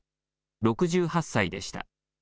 ６８歳でした。